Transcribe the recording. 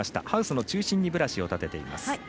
ハウスの中心にブラシを立てています。